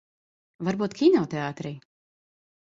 Varbūt kinoteātrī?